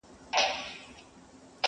وروستی دیدن دی مخ را واړوه بیا نه راځمه,